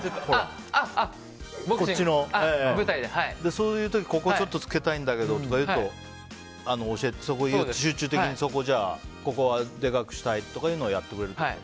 そういう時ここつけたいんだけどっていうと集中的にここはでかくしたいとかやってくれるってこと？